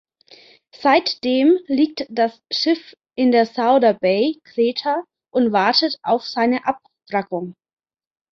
Seitdem liegt das Schiff in der "Souda Bay", Kreta und wartet auf seine Abwrackung.